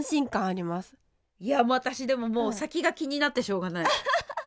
いや私でももう先が気になってしょうがない。